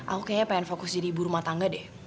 aku kayaknya pengen fokus jadi ibu rumah tangga deh